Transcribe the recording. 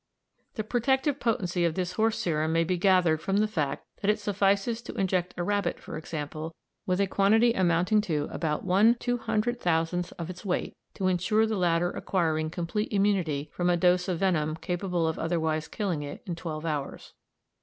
The protective potency of this horse serum may be gathered from the fact that it suffices to inject a rabbit, for example, with a quantity amounting to about one two hundred thousandth of its weight to ensure the latter acquiring complete immunity from a dose of venom capable of otherwise killing it in twelve hours.